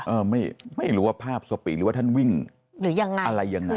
เออไม่ไม่รู้ว่าภาพสปีหรือว่าท่านวิ่งหรือยังไงอะไรยังไง